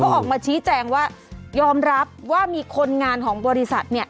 ออกมาชี้แจงว่ายอมรับว่ามีคนงานของบริษัทเนี่ย